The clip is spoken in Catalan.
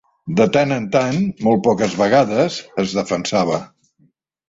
De tant en tant, molt poques vegades, es defensava.